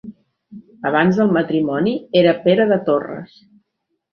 Abans del matrimoni era Pere de Torres.